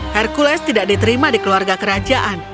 hercules tidak diterima di keluarga kerajaan